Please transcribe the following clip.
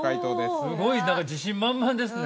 ◆すごい自信満々ですね。